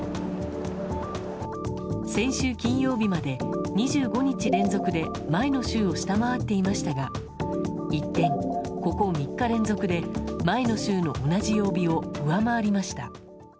先週金曜日まで２５日連続で前の週を下回っていましたが一転、ここ３日連続で前の週の同じ曜日を上回りました。